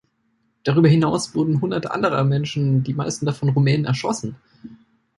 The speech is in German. Darüber hinaus wurden hunderte anderer Menschen, die meisten davon Rumänen, erschossen.